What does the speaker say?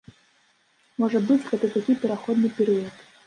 Можа быць, гэта такі пераходны перыяд.